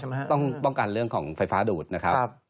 ต้องป้องกันเรื่องของไฟฟ้าดูดนะครับ